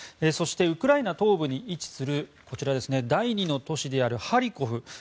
そしてウクライナ東部に位置する第２の都市であるハリコフ